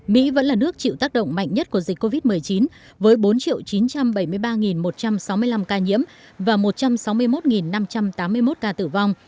mỹ vẫn là nước chịu tác động mạnh nhất của dịch covid một mươi chín với bốn chín trăm bảy mươi ba một trăm sáu mươi năm ca nhiễm và một trăm sáu mươi một năm trăm tám mươi một ca tử vong